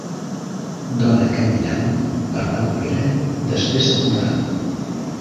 Dona caminant per la vorera després de comprar